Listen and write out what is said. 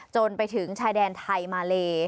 จนไปถึงชายแดนไทยมาเล